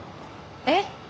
えっ？